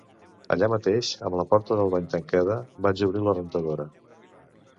Allà mateix, amb la porta del bany tancada, vaig obrir la rentadora.